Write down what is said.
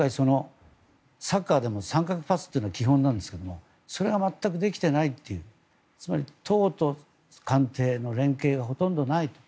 サッカーでも三角パスっていうのが基本なんですがそれが全くできていないというつまり党と官邸の連携がほとんどないと。